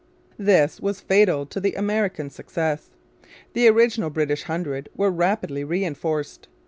This was fatal to American success. The original British hundred were rapidly reinforced.